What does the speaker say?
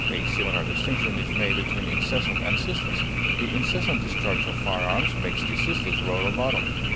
A similar distinction is made between incessant and ceaseless. The incessant discharge of firearms makes the ceaseless roar of battle.